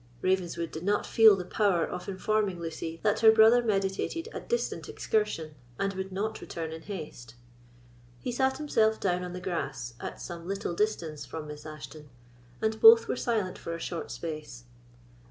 Ravenswood did not feel the power of informing Lucy that her brother meditated a distant excursion, and would not return in haste. He sate himself down on the grass, at some little distance from Miss Ashton, and both were silent for a short space.